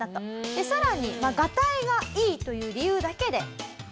でさらにがたいがいいという理由だけで。